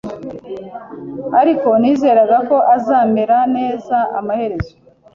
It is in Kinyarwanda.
Ariko nizeraga ko uzamera neza amaherezo;